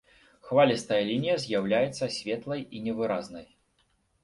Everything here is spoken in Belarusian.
Хвалістая лінія з'яўляецца светлай і невыразнай.